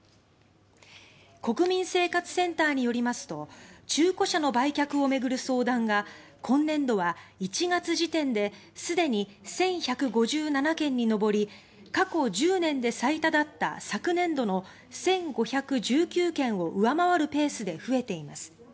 国民生活センターによりますと中古車の売却を巡る相談が今年度は１月時点ですでに１１５７件に上り過去１０年で最多だった昨年度の１５１９件を上回るペースで増えています。